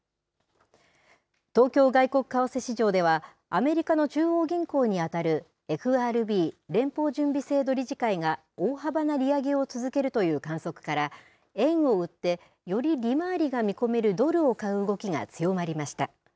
東京外国為替市場では、アメリカの中央銀行に当たるＦＲＢ・連邦準備制度理事会が大幅な利上げを続けるという観測から、円を売って、より利回りが見込めるドルを買う動きが強まりました。